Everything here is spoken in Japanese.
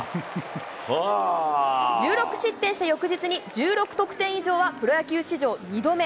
１６失点した翌日に１６得点以上はプロ野球史上２度目。